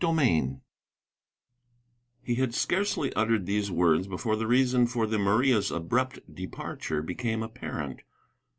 CHAPTER XX He had scarcely uttered these words before the reason for the Maria's abrupt departure became apparent.